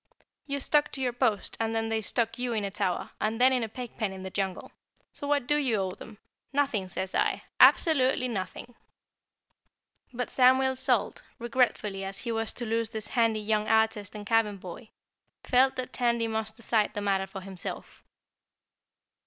"You stuck to your post and they stuck you in a tower and then in a pig pen in the jungle. So what do you owe them? Nothing, say I, absolutely nothing!" But Samuel Salt, regretful as he was to lose this handy young artist and cabin boy, felt that Tandy must decide the matter for himself.